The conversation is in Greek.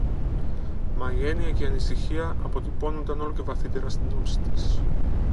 Μα η έννοια και η ανησυχία αποτυπώνουνταν όλο και βαθύτερα στην όψη της